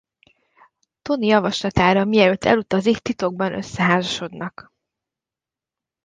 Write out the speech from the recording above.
Tony javaslatára mielőtt elutazik titokban összeházasodnak.